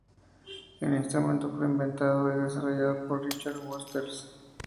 El instrumento fue inventado y desarrollado por Richard Waters.